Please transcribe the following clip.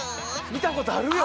見たことあるよ！